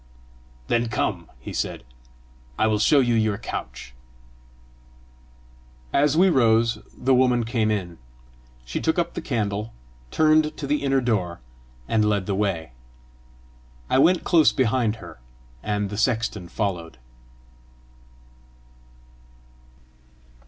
"Then come," he said; "I will show you your couch." As we rose, the woman came in. She took up the candle, turned to the inner door, and led the way. I went close behind her, and the sexton followed.